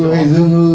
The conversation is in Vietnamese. hay dương hư